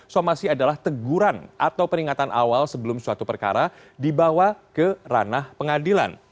somasi adalah teguran atau peringatan awal sebelum suatu perkara dibawa ke ranah pengadilan